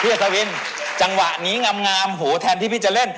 เพื่อสวินจังหวะนี้งามโหแทนที่พี่จะเล่น